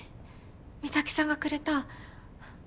美咲さんがくれた。